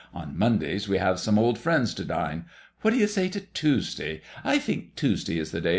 On Monday we have some old friends to dine. What do you say to Tuesday ? I think Tues day is the day.